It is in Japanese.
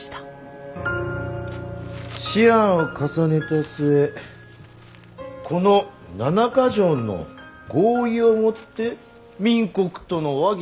思案を重ねた末この七か条の合意をもって明国との和議といたす。